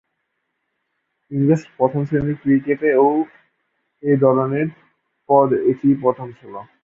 ইংরেজ প্রথম-শ্রেণীর ক্রিকেটে এ ধরনের পদ এটিই প্রথম ছিল।